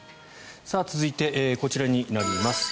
続いて、こちらになります。